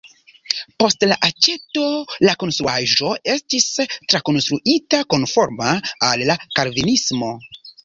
Post la aĉeto la konstruaĵo estis trakonstruita konforma al la kalvinismo.